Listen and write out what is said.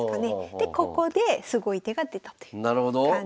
でここですごい手が出たという感じで。